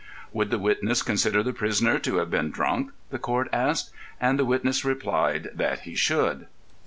Would the witness consider the prisoner to have been drunk? the Court asked, and the witness replied that he should.